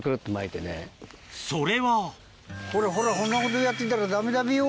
それはほらほらほんなことやってたらダメだべよ。